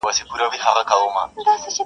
ویل صاحبه زموږ خو ټول ابرو برباد سوه,